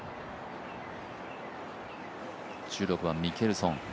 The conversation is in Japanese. １６番、ミケルソン。